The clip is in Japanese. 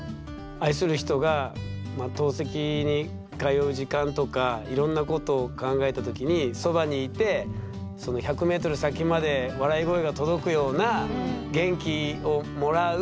愛する人が透析に通う時間とかいろんなことを考えた時にそばにいて１００ｍ先まで笑い声が届くような元気をもらう人でいてほしい。